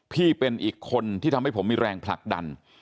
พี่เป็นอีกคนที่ทำให้ผมมีแรงผลักดัน